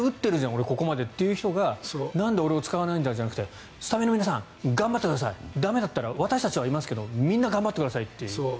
俺ここまでという人がなんで俺を使わないんだっていうんじゃなくてスタメンの皆さん頑張ってください、駄目だったら私たちはいますけどみんな頑張ってくださいっていう。